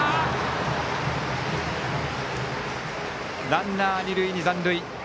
ランナー、二塁に残塁。